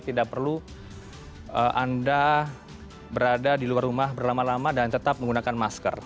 tidak perlu anda berada di luar rumah berlama lama dan tetap menggunakan masker